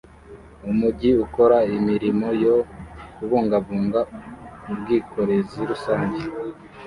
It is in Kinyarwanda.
Umujyi ukora imirimo yo kubungabunga ubwikorezi rusange